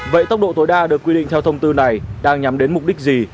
vậy tốc độ tối đa được quy định theo thông tư này đang nhắm đến mục đích gì